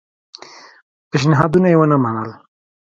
پېشنهادونه یې ونه منل.